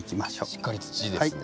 しっかり土ですね。